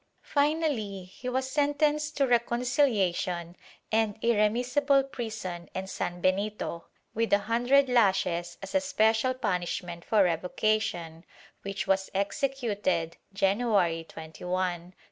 Finally he was sentenced to recon ciliation and irremissible prison and sanbenito, with a hundred lashes as a special punishment for revocation, which was executed January 21, 1646.